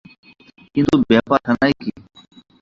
কিন্তু ব্যাপারখানা কী।